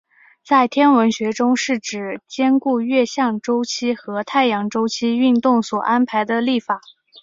在天文学中是指兼顾月相周期和太阳周期运动所安排的历法。